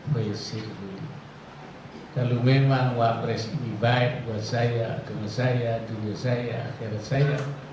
kalau memang wabres ini baik buat saya agama saya dunia saya akhirat saya